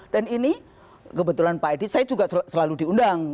dan ini kebetulan pak edi saya juga selalu diundang